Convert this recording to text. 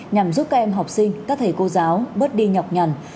nhằm giúp các em học sinh các thầy cô giáo bớt đi nhọc nhằn